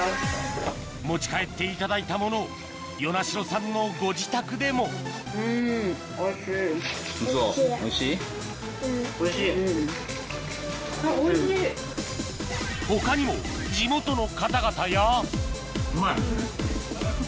持ち帰っていただいたものを与那城さんのご自宅でも他にも地元の方々やうまい。